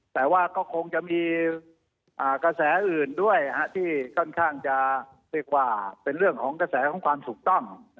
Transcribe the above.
แต่ว่าก็คงจะมีกระแสอื่นด้วยที่ค่อนข้างจะเรียกว่าเป็นเรื่องของกระแสของความถูกต้อง